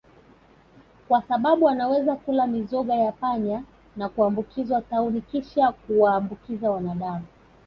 kwa sbabu anaweza kula mizoga ya panya na kuambukizwa tauni kisha kuwaambukiza wanadamu